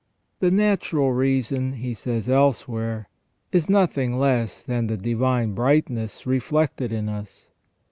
"* "The natural reason," he says elsewhere, "is nothing less than the divine brightness reflected in us."